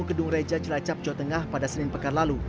gedung reja jelacap jawa tengah pada senin pekar lalu